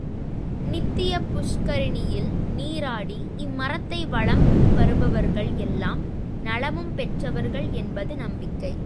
நித்ய புஷ்கரிணியில் நீராடி இம்மரத்தை வலம் வருபவர்கள் எல்லா நலமும் பெறுவர் என்பது நம்பிக்கை.